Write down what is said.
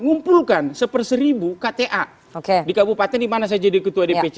ngumpulkan seper seribu kta di kabupaten di mana saya jadi ketua dpc